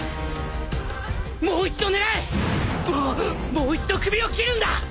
もう一度首を斬るんだ！